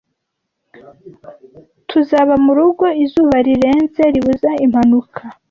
Tuzaba murugo izuba rirenze ribuza impanuka.